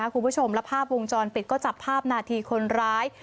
คุณผู้ชมและภาพวงจรปิดก็จับภาพนาทีคนร้าย